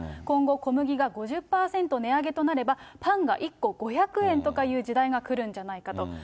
今後、小麦が５０％値上げとなれば、パンが１個５００円とかいう時代が来るんじゃないかと。